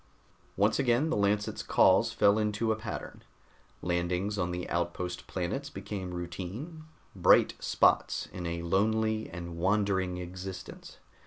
Once again the Lancet's calls fell into a pattern. Landings on the outpost planets became routine, bright spots in a lonely and wandering existence.